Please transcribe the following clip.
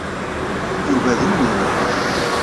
Yuba d ummil.